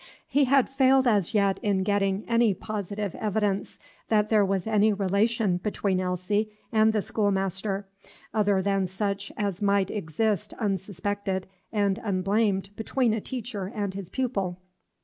He had failed as yet in getting any positive evidence that there was any relation between Elsie and the schoolmaster other than such as might exist unsuspected and unblamed between a teacher and his pupil.